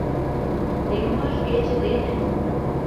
— Сеҥымаш кече дене!